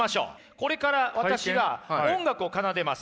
これから私が音楽を奏でます。